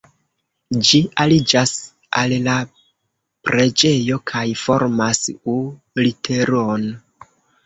Ĝi aliĝas al la preĝejo kaj formas U-literon.